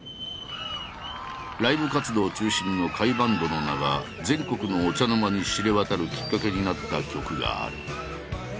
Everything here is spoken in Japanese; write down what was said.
ライブ活動中心の甲斐バンドの名が全国のお茶の間に知れ渡るきっかけになった曲がある。